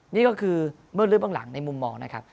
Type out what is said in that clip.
นี่ก็คือเมื่อเลื้อเบื้องหลังในมุมมองนะครับ